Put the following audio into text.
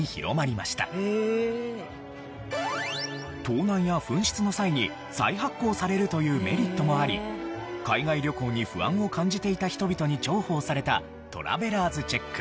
盗難や紛失の際に再発行されるというメリットもあり海外旅行に不安を感じていた人々に重宝されたトラベラーズチェック。